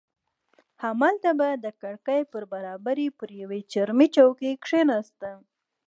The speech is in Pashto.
همالته به د کړکۍ پر برابري پر یوې چرمي چوکۍ کښېناستم.